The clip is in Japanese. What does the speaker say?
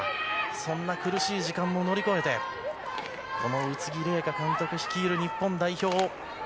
そんな苦しい時間も乗り越えてこの宇津木麗華監督率いる日本代表